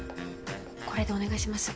これでお願いします